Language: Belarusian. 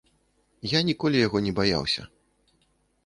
Я ніколі яго не баяўся.